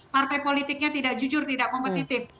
partai politiknya tidak jujur tidak kompetitif